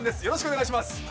よろしくお願いします。